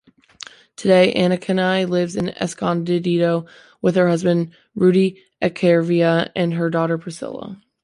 Today, Anacani lives in Escondido with her husband Rudy Echeverria and her daughter Priscila.